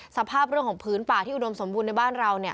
สภาพของพื้นป่าที่อุดมศมภูมิในบ้านเรา